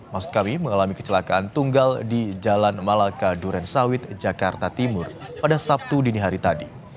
maskawi mengalami kecelakaan tunggal di jalan malaka durensawit jakarta timur pada sabtu dini hari tadi